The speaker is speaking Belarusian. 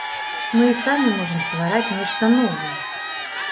Мы і самі можам ствараць нешта новае.